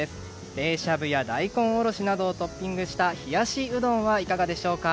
冷しゃぶや大根おろしなどをトッピングした冷やしうどんはいかがでしょうか。